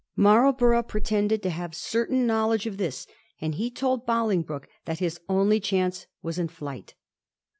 Marlborough pretended to have certain knowledge of this, and he told Bolingbroke that his only chance was in flight.